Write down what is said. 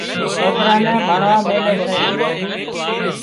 سوڪران نين ڀڻوا ميلي سي